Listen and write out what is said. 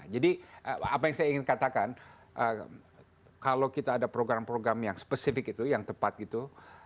jadi apa yang saya ingin katakan kalau kita ada program program yang spesifik itu yang tepat gitu